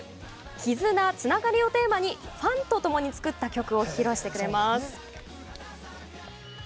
絆、つながりをテーマにファンとともに作った曲を披露します